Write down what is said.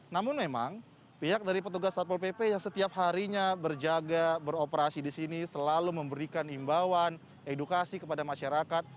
namun memang pihak dari petugas satpol pp yang setiap harinya berjaga beroperasi di sini selalu memberikan imbauan edukasi kepada masyarakat